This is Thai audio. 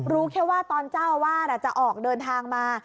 รู้แค่ว่าตอนเจ้าอาวาสจะออกเดินทางมา